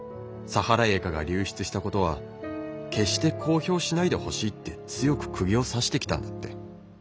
サハライエカが流出したことは決して公表しないでほしいって強くくぎを刺してきたんだって。